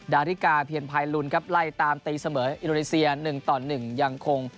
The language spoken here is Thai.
ดาริกาเพียรพายลุนครับไล่ตามตีเสมออินโดนีเซีย๑ต่อ๑ยังคง